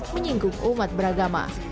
menyinggung umat beragama